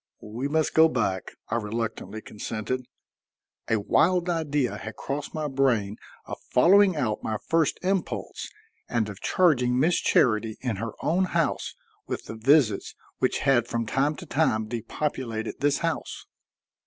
"We must go back," I reluctantly consented. A wild idea had crossed my brain of following out my first impulse and of charging Miss Charity in her own house with the visits which had from time to time depopulated this house.